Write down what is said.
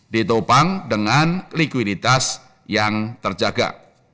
ditopang dengan likuiditas yang terjaga